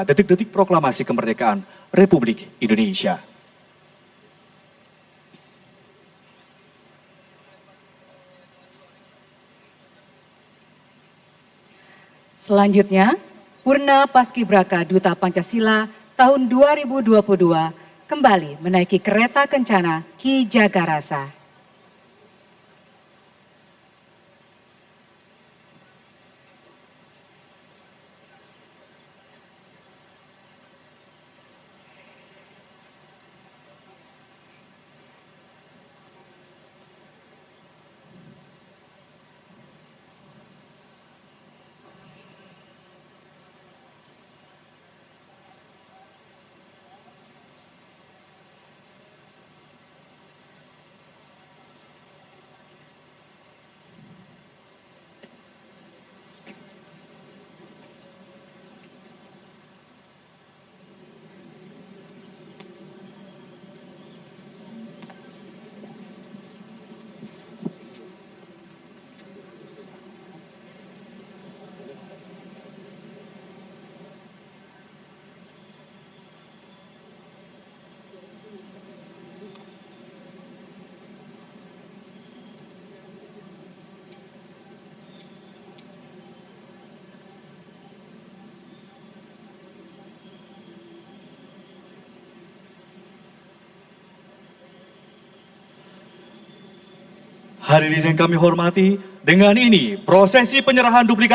detik detik proklamasi kemerdekaan republik indonesia